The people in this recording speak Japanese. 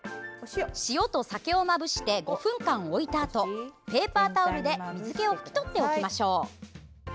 塩と酒をまぶして５分間、置いたあとペーパータオルで水けを拭き取っておきましょう。